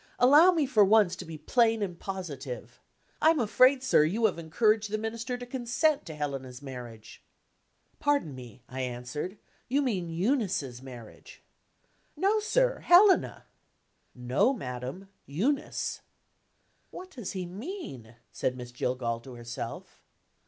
Allow me, for once, to be plain and positive. I'm afraid, sir, you have encouraged the Minister to consent to Helena's marriage." "Pardon me," I answered, "you mean Eunice's marriage." "No, sir! Helena." "No, madam! Eunice." "What does he mean?" said Miss Jillgall to herself.